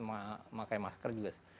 memakai masker juga